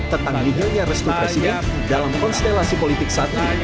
tentang nihilnya restu presiden dalam konstelasi politik saat ini